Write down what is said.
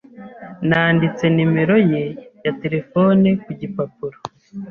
Nanditse nimero ye ya terefone ku gipapuro.